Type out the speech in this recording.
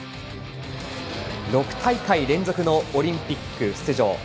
６大会連続のオリンピック出場。